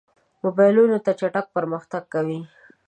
موبایلونه چټک پرمختګ کوي.